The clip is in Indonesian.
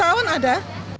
sepuluh tahun ada